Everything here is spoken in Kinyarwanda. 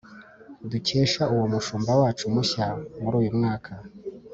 dukesha uwo mushumba wacu mushya muri uyu mwaka